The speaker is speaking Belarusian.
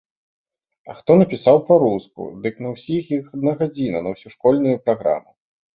А хто напісаў па-руску, дык на ўсіх іх адна гадзіна на ўсю школьную праграму.